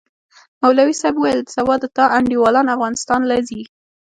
مولوي صاحب وويل سبا د تا انډيوالان افغانستان له زي.